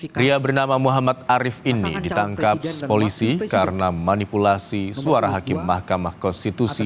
pria bernama muhammad arief ini ditangkap polisi karena manipulasi suara hakim mahkamah konstitusi